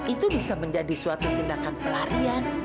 itu bisa menjadi suatu tindakan pelarian